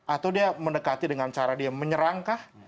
atau dia mendekati dengan cara dia menyerang kah